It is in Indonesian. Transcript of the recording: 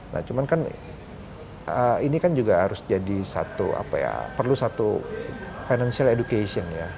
nah cuman kan ini kan juga harus jadi satu apa ya perlu satu financial education ya